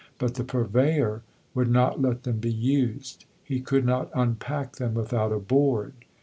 But the Purveyor would not let them be used; "he could not unpack them without a Board."